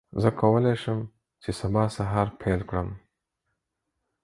زه کولی شم چې سبا سهار پیل کړم.